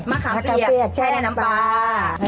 มะขาเบียร์ใช่น้ำปลามะขาเบียร์ใช่น้ำปลา